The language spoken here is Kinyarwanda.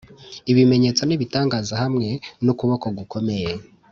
ibimenyetso n’ibitangaza hamwe n’ukuboko gukomeye